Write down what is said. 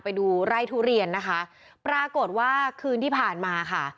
ไปดูไร่ทุเรียนนะคะปรากฏว่าคืนที่ผ่านมาค่ะ